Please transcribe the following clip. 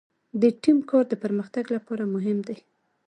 د ټیم کار د پرمختګ لپاره مهم دی.